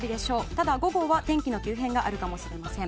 ただ午後は天気の急変があるかもしれません。